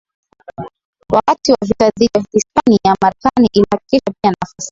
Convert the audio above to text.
Wakati wa vita dhidi ya Hispania Marekani ilihakikisha pia nafasi